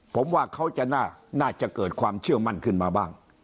ผมว่าเขาจะน่าจะเกิดความเชื่อมั่นขึ้นมาบ้าง